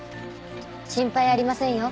心配ありませんよ。